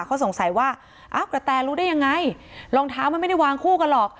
เขาสงสัยว่าอ้าวกระแตรู้ได้ยังไงรองเท้ามันไม่ได้วางคู่กันหรอก